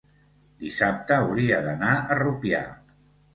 dissabte hauria d'anar a Rupià.